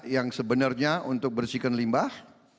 yang sebenarnya untuk bersihkan limbah